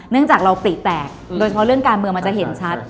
โดยเฉพาะเรื่องการเมืองมันจะเห็นชัด